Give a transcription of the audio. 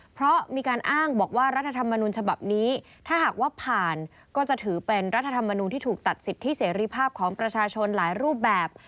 เพราะมีการอ้างบอกว่ารัฐธรรมนุนฉบับนี้ถ้าหากว่าผ่านก็จะถือเป็นรัฐธรรมนูลที่ถูกตัดสิทธิเสรีภาพของประชาชนหลายรูปแบบ